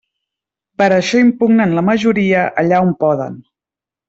Per això impugnen la majoria allà on poden.